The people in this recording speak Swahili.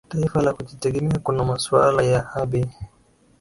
taifa la kujitegemea kuna masuala ya abey